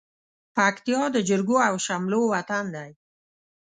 پکتيا د جرګو او شملو وطن دى.